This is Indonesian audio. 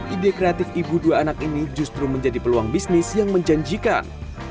ide kreatif ibu dua anak ini justru menjadi peluang bisnis yang menjanjikan